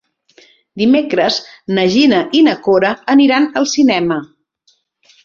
Dimecres na Gina i na Cora aniran al cinema.